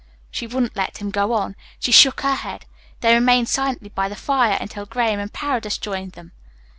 She wouldn't let him go on. She shook her head. They remained silently by the fire until Graham and Paredes joined them.